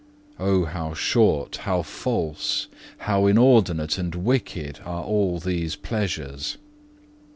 Oh how short, how false, how inordinate and wicked are all these pleasures!